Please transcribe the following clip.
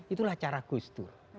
itulah cara ghost tour